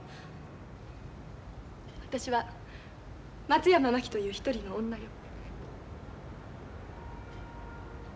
私は松山真紀という一人の女よ。